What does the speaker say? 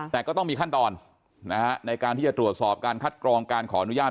แต่ก็ต้องมีขั้นตอนในการที่จะตรวจสอบการคัดกรองการขออนุญาต